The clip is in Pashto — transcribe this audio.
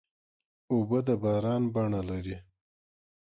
اوبه د باران بڼه لري.